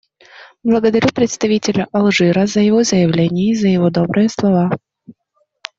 Благодарю представителя Алжира за его заявление и за его добрые слова.